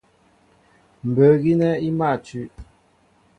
Mbə̌ gínɛ́ í mâ tʉ́.